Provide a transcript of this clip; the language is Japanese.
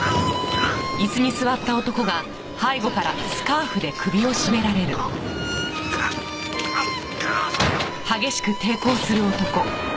あっぐあっ！